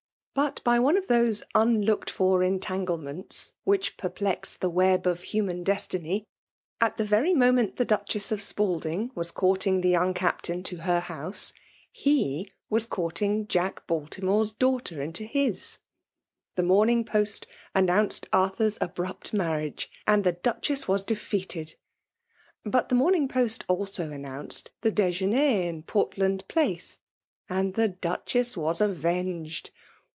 But by one of those unlooked for entangle nients whidi perplex the web of human des tiny^ at the very moment the Duchies of Spaki iag was courting the young Captain to her bouse» Ae was dourting Jack Baltimore's daugh* n3 274 FKMALS DOMINATION. ter into his. The Morning Pogt announced Arthur^s abrupt marriage, and the DucheBs was defeated ; but the Morning Post also an nounced the dejeuner in Portland Place — and the Duchess was avenged.